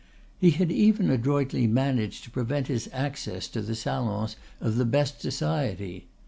He had even adroitly managed to prevent his access to the salons of the best society.